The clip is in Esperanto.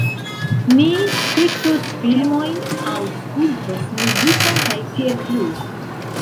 Ni spektos filmojn, aŭskultos muzikon, kaj tiel plu